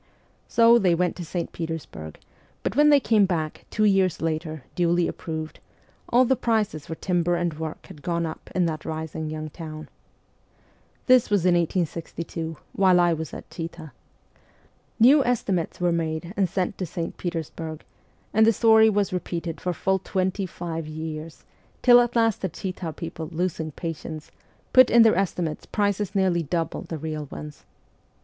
So they went to St. Petersburg ; but SIBERIA 213 when they came back, two years later, duly approved, all the prices for timber and work had gone up in that rising young town. This was in 1862, while I was at Chita. New estimates were made and sent to St. Petersburg, and the story was repeated for full twenty five years, till at last the Chita people, losing patience, put in their estimates prices nearly double the real ones.